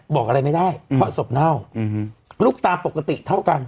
บอกอะไรไม่ได้เพราะศพเน่าลูกตาปกติเท่ากัน